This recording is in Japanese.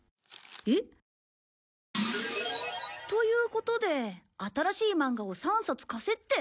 えっ？ということで新しいマンガを３冊貸せって。